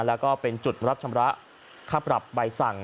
แล้วก็เป็นจุดรับชำระค่าปรับใบสั่ง